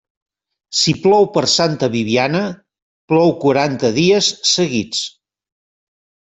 Si plou per Santa Bibiana, plou quaranta dies seguits.